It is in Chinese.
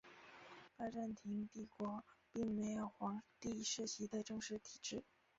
拜占庭帝国并没有皇帝世袭的正式体制。